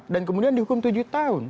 dan kemudian dihukum tujuh tahun